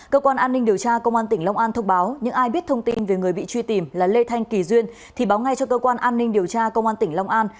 cơ quan an ninh điều tra công an tỉnh long an thông báo những ai biết thông tin về người bị truy tìm là lê thanh kỳ duyên thì báo ngay cho cơ quan an ninh điều tra công an tỉnh long an